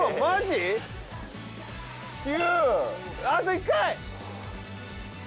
あと１回！